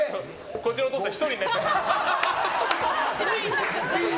こちらのお父さん１人になっちゃいましたよ。